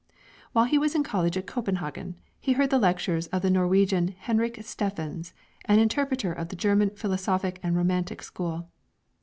While he was in college at Copenhagen he heard the lectures of the Norwegian Henrik Steffens, an interpreter of the German philosophic and romantic school.